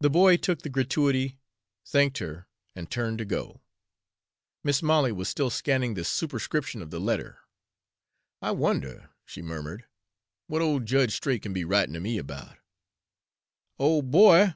The boy took the gratuity, thanked her, and turned to go. Mis' Molly was still scanning the superscription of the letter. "I wonder," she murmured, "what old Judge Straight can be writin' to me about. Oh, boy!"